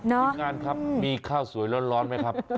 ทีมงานครับมีข้าวสวยร้อนไหมครับ